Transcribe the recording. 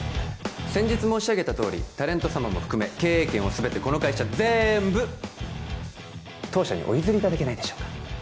先日申し上げたとおりタレント様も含め経営権を全てこの会社ぜーんぶ当社にお譲りいただけないでしょうか？